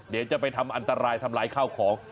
เดี๋ยวจะไปทำอันตรายทำลายข้าวของ